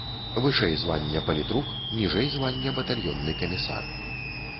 Вышэй звання палітрук, ніжэй звання батальённы камісар.